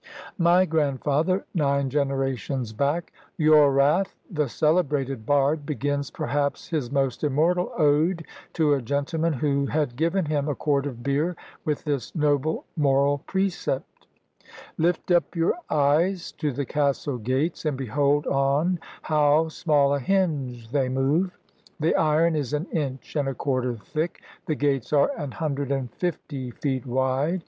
My grandfather nine generations back, Yorath the celebrated bard, begins perhaps his most immortal ode to a gentleman who had given him a quart of beer with this noble moral precept: "Lift up your eyes to the castle gates and behold on how small a hinge they move! The iron is an inch and a quarter thick, the gates are an hundred and fifty feet wide!"